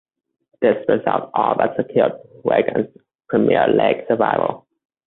This result all but secured Wigan's Premier League survival.